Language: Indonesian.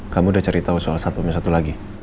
kamu udah cari tau soal satpam yang satu lagi